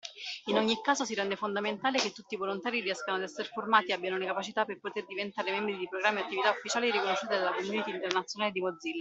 In ogni caso, si rende fondamentale che tutti i volontari riescano ad esser formati e abbiano le capacità per poter diventare membri di programmi o attività ufficiali riconosciute dalla community internazionale di Mozilla.